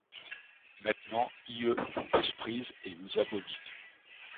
Maintenant ie vous mesprise et vous abomine !